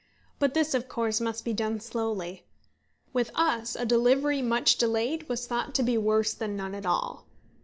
But this, of course, must be done slowly. With us a delivery much delayed was thought to be worse than none at all.